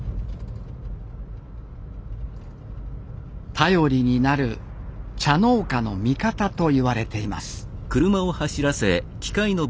頼りになる茶農家の味方と言われています